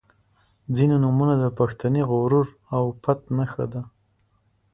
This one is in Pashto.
• ځینې نومونه د پښتني غرور او پت نښه ده.